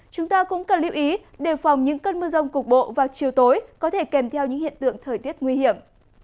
chúng ta cũng cần lưu ý đề phòng những cơn mưa rông cục bộ vào chiều tối có thể kèm theo những hiện tượng thời tiết nguy hiểm